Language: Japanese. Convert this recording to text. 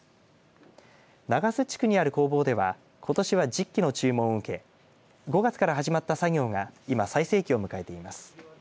長洲地区にある工房ではことしは１０基の注文を受け５月から始まった作業が今、最盛期を迎えています。